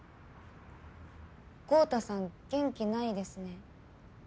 豪太さん元気ないですね。